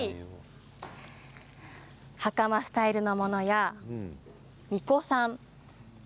はかまスタイルのものやみこさん